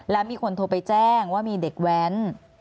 แล้วมีคนโทรไปแจ้งว่ามีเด็กแว้น